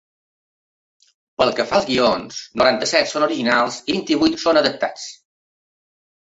Pel que fa als guions, noranta-set són originals i vint-i-vuit són adaptats.